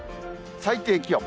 最低気温。